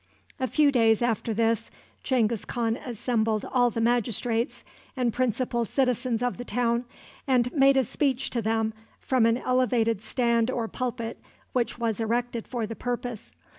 A few days after this Genghis Khan assembled all the magistrates and principal citizens of the town, and made a speech to them from an elevated stand or pulpit which was erected for the purpose.